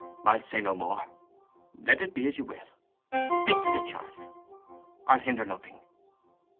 "I'll say no more. Let it be as you will. Speak to the child. I'll hinder nothing."